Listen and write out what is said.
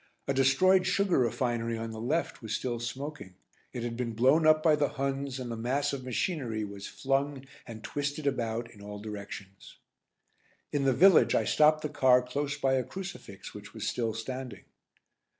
A destroyed sugar refinery on the left was still smoking. It had been blown up by the Huns and the mass of machinery was flung and twisted about in all directions. In the village I stopped the car close by a crucifix, which was still standing.